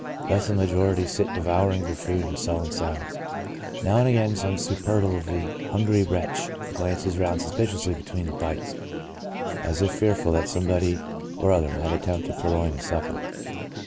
Thus the majority sit devouring their food in sullen silence. Now and again some superlatively hungry wretch glances round suspiciously between the bites, as if fearful that somebody or other might attempt to purloin his supper.